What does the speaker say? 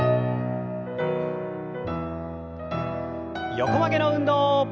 横曲げの運動。